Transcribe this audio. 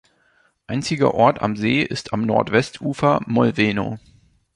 Einziger Ort am See ist am Nordwestufer Molveno.